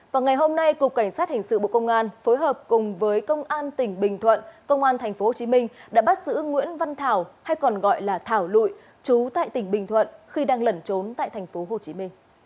vào ngày hôm nay cục cảnh sát hình sự bộ công an phối hợp cùng với công an tỉnh bình thuận công an tp hcm đã bắt giữ nguyễn văn thảo hay còn gọi là thảo lụi chú tại tỉnh bình thuận khi đang lẩn trốn tại tp hcm